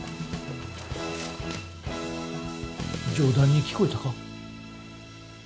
冗談に聞こえたか？